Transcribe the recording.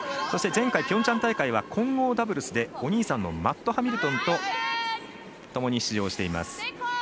そして前回ピョンチャン大会は混合ダブルスでお兄さんのマット・ハミルトンさんとともに出場しています。